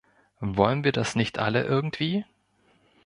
Wollen wir das nicht alle irgendwie?